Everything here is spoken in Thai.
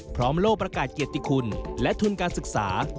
โลกประกาศเกียรติคุณและทุนการศึกษา